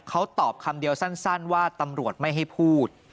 เขาตอบคำเดียวสั้นว่าตำรวจไม่ให้พูด